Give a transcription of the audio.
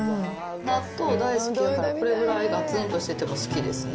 納豆大好きやから、これぐらいがつんとしてても好きですね。